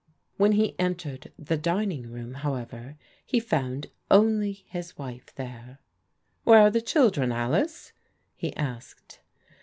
When he entered the dining room, however, he found only his wife there. "Where are the children, Alice?" he asked.